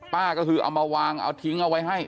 ก็คือเอามาวางเอาทิ้งเอาไว้ให้